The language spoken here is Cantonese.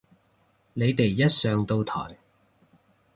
你哋一上到台